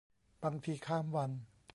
บางทีข้ามวัน